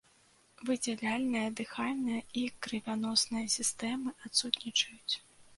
Выдзяляльная, дыхальная і крывяносная сістэмы адсутнічаюць.